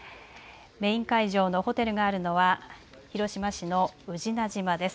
メイン会場のホテルがあるのは広島市の宇品島です。